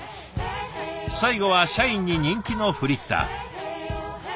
最後は社員に人気のフリッター。